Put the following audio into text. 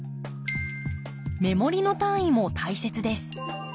目盛りの単位も大切です。